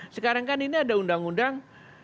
sekarang kan ini ada undang undang